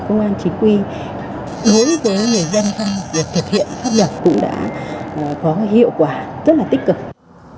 đối với người dân thân để thực hiện phát biệt cũng đã có hiệu quả rất là tích cực